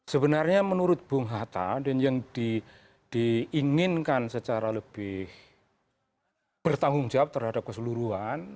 sebenarnya menurut bung hatta dan yang diinginkan secara lebih bertanggung jawab terhadap keseluruhan